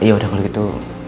ya udah kalau gitu